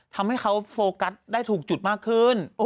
ทำให้เขาโฟกัสได้ถูกจุดมากขึ้น